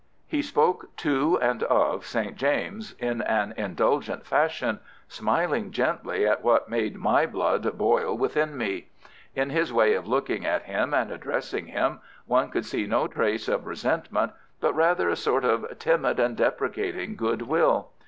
He spoke to and of St. James in an indulgent fashion, smiling gently at what made my blood boil within me. In his way of looking at him and addressing him, one could see no trace of resentment, but rather a sort of timid and deprecating good will.